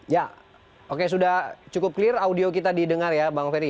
ya oke sudah cukup clear audio kita didengar ya bang ferry